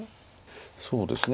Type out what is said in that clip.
そうですね